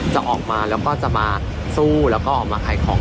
จะออกมาแล้วก็จะมาสู้แล้วก็ออกมาขายของ